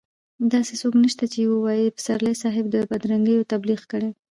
داسې څوک نشته چې ووايي پسرلي صاحب د بدرنګيو تبليغ کړی.